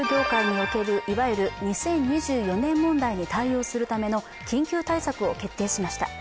政府が物流業界におけるいわゆる２０２４年問題に対応するための緊急対策を決定しました。